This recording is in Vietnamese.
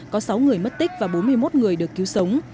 có sáu người mất tích và bốn mươi một người được cứu sống